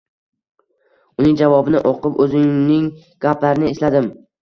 Uning javobini o`qib, o`zining gaplarini esladim